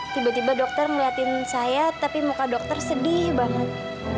tiba tiba dokter ngeliatin saya tapi muka dokter sedih banget